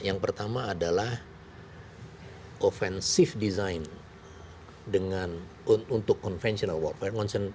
yang pertama adalah offensive design dengan untuk conventional warfare